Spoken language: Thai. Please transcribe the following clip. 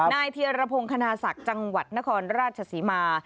เทียรพงศ์คณาศักดิ์จังหวัดนครราชศรีมา